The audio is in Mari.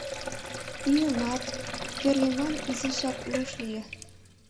Йӱымат, кӧргемлан изишак луш лие.